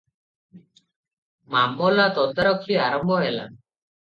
ମାମଲା ତଦାରଖି ଆରମ୍ଭ ହେଲା ।